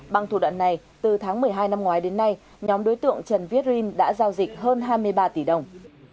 bằng thủ đoạn này từ tháng một mươi hai năm ngoái đến nay nhóm đối tượng trần viết rin đã giao dịch hơn hai mươi ba tỷ đồng